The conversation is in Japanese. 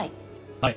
はい。